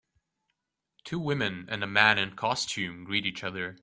Two women and a man in costume greet each other.